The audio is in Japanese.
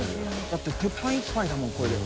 だって鉄板いっぱいだもんこれで。